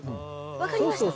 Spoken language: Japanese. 分かりました